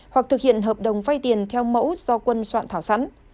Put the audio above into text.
hoặc thực hiện hợp đồng vay tiền theo mẫu do quân soạn thảo sẵn